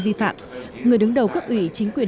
vi phạm người đứng đầu cấp ủy chính quyền